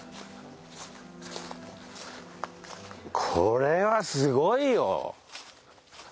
これはすごいよ。